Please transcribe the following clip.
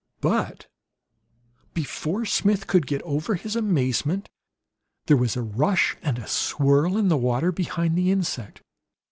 But before Smith could get over his amazement there was a rush and a swirl in the water behind the insect.